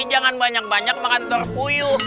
jangan banyak banyak makan telur puyuh